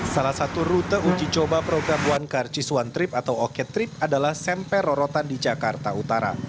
salah satu rute uji coba program one carcis one trip atau oke trip adalah sempe rorotan di jakarta utara